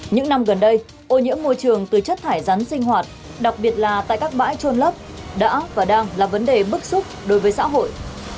những năm gần đây ô nhiễm môi trường từ chất thải rắn sinh hoạt đặc biệt là tại các bãi trôn lấp đã và đang là vấn đề bức xúc đối với xã hội